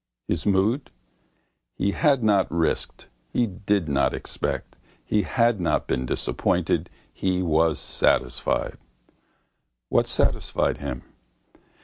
His mood? He had not risked, he did not expect, he had not been disappointed, he was satisfied. What satisfied him?